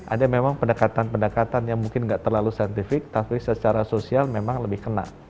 ada memang pendekatan pendekatan yang mungkin nggak terlalu saintifik tapi secara sosial memang lebih kena